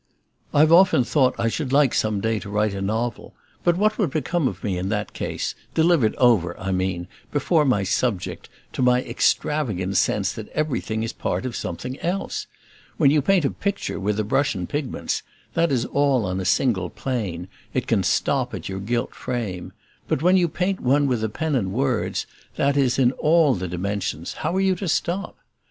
I've often thought I should like some day to write a novel; but what would become of me in that case delivered over, I mean, before my subject, to my extravagant sense that everything is a part of something else? When you paint a picture with a brush and pigments, that is on a single plane, it can stop at your gilt frame; but when you paint one with a pen and words, that is in ALL the dimensions, how are you to stop?